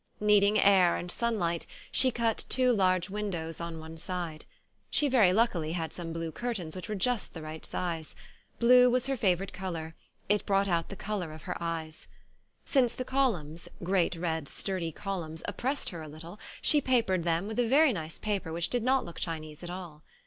Needing air and sunlight, she cut two large win dows on one side. She very luckily had some blue curtains which were just the right size. Blue was her favourite colour: it brought out the colour of U MY LADY'S FABLOUB her eyes. Since the columns, great red sturdy columns, oppressed her a little she papered them with a very nice paper which did not look Chinese at all.